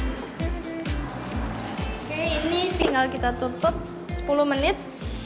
oke ini tinggal kita tutup sepuluh menit